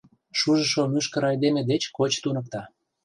— Шужышо мӱшкыр айдеме деч коч туныкта.